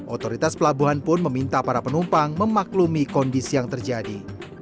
otoritas pelabuhan pun meminta para penumpang memaklumi kondisi yang terjadi